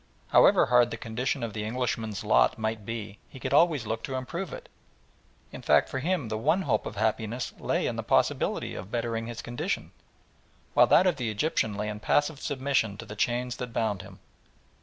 However hard the condition of the Englishman's lot might be he could always look to improve it; in fact for him the one hope of happiness lay in the possibility of bettering his condition, while that of the Egyptian lay in passive submission to the chains that bound him.